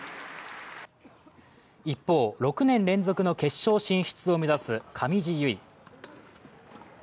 一方、６年連続の決勝進出を目指す上地結衣。